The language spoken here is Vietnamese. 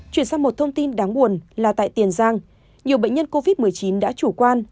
chuyển sang một thông tin đáng buồn là tại tiền giang nhiều bệnh nhân covid một mươi chín đã chủ quan